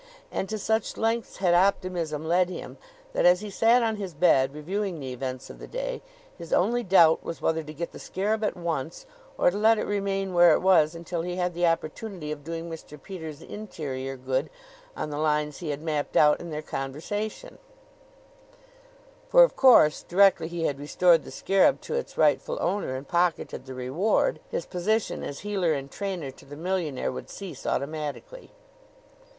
And to such lengths had optimism led him that, as he sat on his bed reviewing the events of the day, his only doubt was whether to get the scarab at once or to let it remain where it was until he had the opportunity of doing Mr. Peters' interior good on the lines he had mapped out in their conversation; for, of course, directly he had restored the scarab to its rightful owner and pocketed the reward, his position as healer and trainer to the millionaire would cease automatically.